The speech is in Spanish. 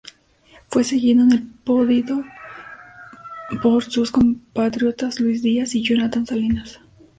Fue seguido en el podio por sus compatriotas Luis Diaz y Jonathan Salinas.